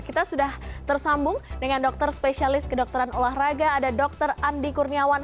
kita sudah tersambung dengan dokter spesialis kedokteran olahraga ada dr andi kurniawan